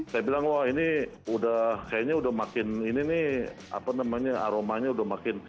saya bilang wah ini udah kayaknya udah makin ini nih apa namanya aromanya udah makin